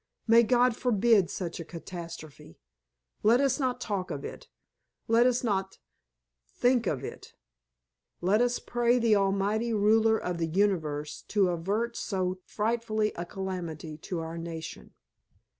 "May God forbid such a catastrophe! Let us not talk of it. Let us not think of it. Let us pray the Almighty Ruler of the Universe to avert so frightful a calamity to our nation!"